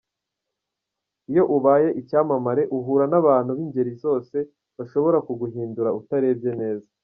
Iyo ubaye icyamamare uhura n’abantu b’ingeri zose bashobora kuguhindura utarebye neza.